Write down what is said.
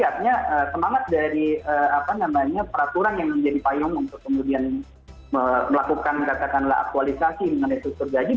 artinya semangat dari peraturan yang menjadi payung untuk kemudian melakukan katakanlah aktualisasi mengenai struktur gaji